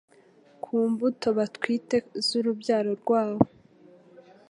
Ku mbuto batwite z’urubyaro rwabo